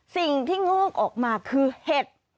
สิ่งที่โงกออกมาคือเห็ด